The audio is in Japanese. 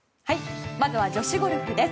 まずは女子ゴルフです。